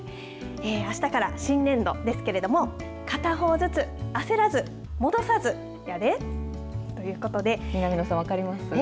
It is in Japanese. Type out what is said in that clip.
あしたから新年度ですけれども、片方ずつ、焦らず、戻さず南野さん、分かりますよね。